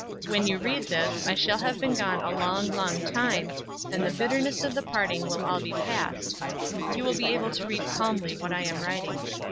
When you read this, I shall have been gone a long, long time, and the bitterness of the parting will all be past; you will be able to read calmly what I am writing.